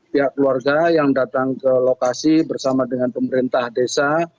pihak keluarga yang datang ke lokasi bersama dengan pemerintah desa